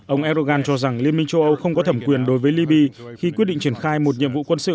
ông erdogan cho rằng liên minh châu âu không có thẩm quyền đối với libya khi quyết định triển khai một nhiệm vụ quân sự